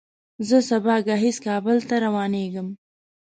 زه سبا ګهیځ کابل ته روانېږم.